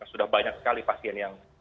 sudah banyak sekali pasien yang